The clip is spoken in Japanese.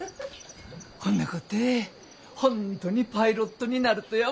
ほんなこって本当にパイロットになるとやもんね。